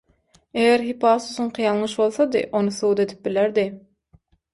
Eger Hippasusyňky ýalňyş bolsady ony subut edip bilerdi.